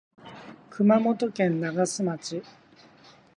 熊本県長洲町